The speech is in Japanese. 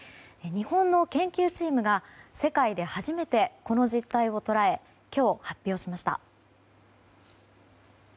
日本の研究チームが世界で初めてこの実態を捉え今日、発表しました。